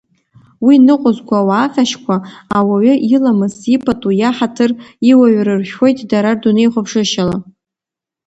Уи ныҟәызго ауаа ҟьашьқәа ауаҩы иламыс, ипату, иаҳаҭыр, иуаҩра ршәоит дара рдунеихәаԥшышьала.